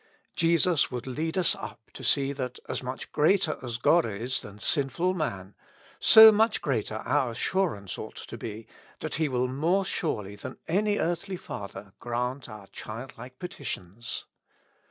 Jesus would lead us up to see that as much greater as God is than sinful man, so much greater our assurance ought to be that He will more surely than any earthly 47 With Christ in the School of Prayer. father grant our childlike petitions.